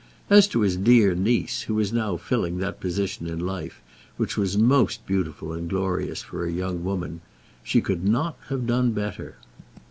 As to his dear niece, who was now filling that position in life which was most beautiful and glorious for a young woman, she could not have done better.